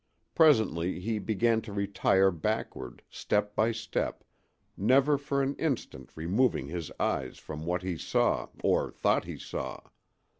Presently he began to retire backward, step by step, never for an instant removing his eyes from what he saw, or thought he saw.